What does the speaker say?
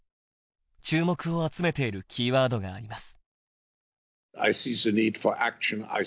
注目を集めている「キーワード」があります。